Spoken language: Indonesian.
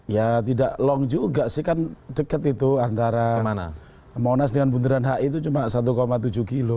ya tidak long juga sih kan dekat itu antara monas dengan bundaran hi itu cuma satu tujuh kilo